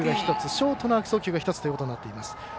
ショートの悪送球が１つということになっています。